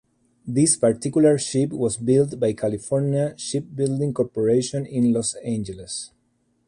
This particular ship was built by California Shipbuilding Corporation in Los Angeles.